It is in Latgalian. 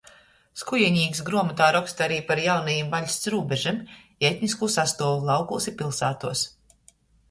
Skujenīks gruomotā roksta ari par jaunajim vaļsts rūbežim i etniskū sastuovu laukūs i piļsātuos.